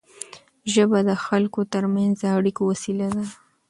ژبه د خلکو ترمنځ د اړیکو وسیله ده.